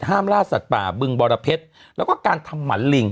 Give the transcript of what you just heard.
ล่าสัตว์ป่าบึงบรเพชรแล้วก็การทำหมันลิง